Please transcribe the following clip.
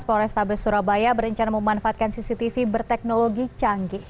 polrestabes surabaya berencana memanfaatkan cctv berteknologi canggih